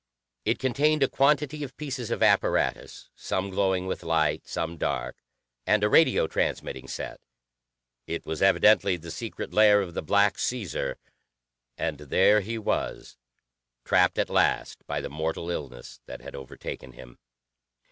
It contained a quantity of pieces of apparatus, some glowing with light, some dark, and a radio transmitting set; it was evidently the secret lair of the Black Caesar. And there he was, trapped at last by the mortal illness that had overtaken him!